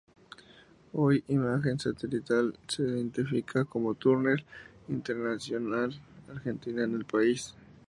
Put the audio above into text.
Hoy Imagen Satelital se identifica como Turner International Argentina en el país.